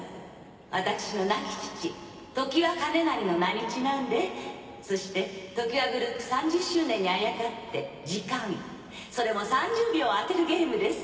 私の亡き父常磐金成の名にちなんでそして常磐グループ３０周年にあやかって時間それも３０秒を当てるゲームです。